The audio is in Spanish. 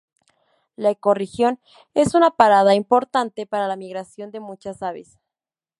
La ecorregión es una parada importante para la migración de muchas aves.